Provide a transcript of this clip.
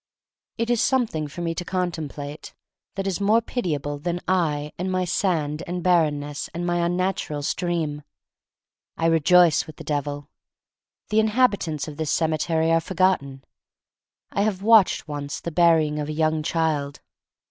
It is something for me to contemplate that is more pitiable than I and my sand and barrenness and my unnatural stream. I rejoice with the Devil. The inhabitants of this cemetery are forgotten. I have watched once the burying of a young child.